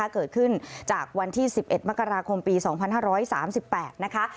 เกิดขึ้นจากวันที่๑๑มกราคมปี๒๕๓๘นะคะ